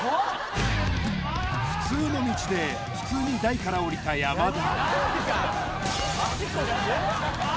普通の道で普通に台から降りた山田あ